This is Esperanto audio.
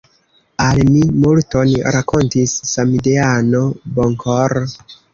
Al mi multon rakontis samideano Bonkor.